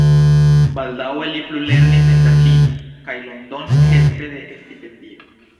Baldaŭe li plulernis en Berlino kaj Londono helpe de stipendio.